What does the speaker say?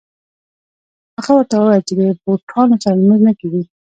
هغه ورته وویل چې د بوټانو سره لمونځ نه کېږي.